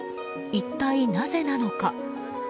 一体なぜなのか。